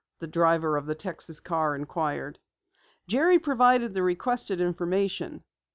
the driver of the Texas car inquired. Jerry provided the requested information.